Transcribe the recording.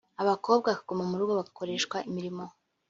abakobwa bakaguma mu rugo bagakoreshwa imirimo